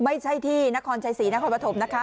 ไม่ใช่ที่นครชัยศรีนครปฐมนะคะ